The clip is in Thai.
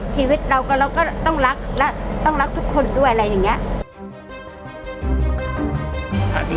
ชีวิตเราเราก็ต้องรักและต้องรักทุกคนด้วยอะไรอย่างนี้